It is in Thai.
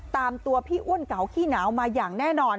ตามตัวพี่อ้วนเก่าขี้หนาวมาอย่างแน่นอน